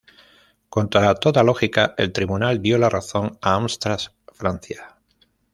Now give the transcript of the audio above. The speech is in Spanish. Contra toda lógica, el tribunal dio la razón a Amstrad Francia.